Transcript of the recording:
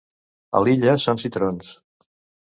A Lilla són citrons.